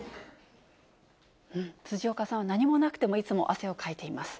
辻岡さんは何もなくても、いつも汗をかいています。